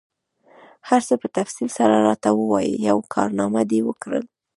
هر څه په تفصیل سره راته ووایه، یوه کارنامه دي وکړل؟